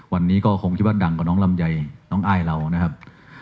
วันนี้ก็คงคิดว่าดังกว่าน้องลำไยน้องอ้ายเรานะครับ